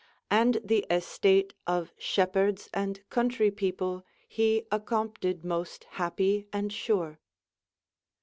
And the estate of shepherdes and countrie people he accompted moste happie and sure."